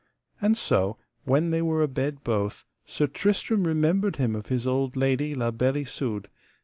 And so when they were abed both Sir Tristram remembered him of his old lady La Beale Isoud.